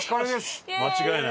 間違いない。